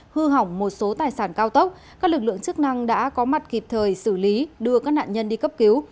hư hỏng một số tài sản cao tốc các lực lượng chức năng đã có mặt kịp thời xử lý đưa các nạn nhân đi cấp cứu